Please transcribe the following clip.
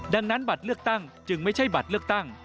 ดังนั้นบัตรเลือกตั้งจึงไม่ใช่บัตรเลือกตั้ง